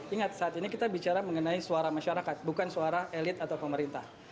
ingat saat ini kita bicara mengenai suara masyarakat bukan suara elit atau pemerintah